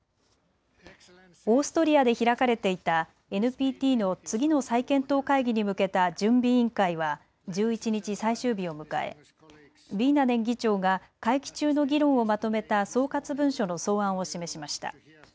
オーストリアで開かれていたＮＰＴの次の再検討会議に向けた準備委員会は１１日、最終日を迎えビーナネン議長が会期中の議論をまとめた総括文書の草案を示しました。